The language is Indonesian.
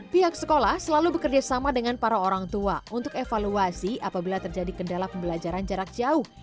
pihak sekolah selalu bekerjasama dengan para orang tua untuk evaluasi apabila terjadi kendala pembelajaran jarak jauh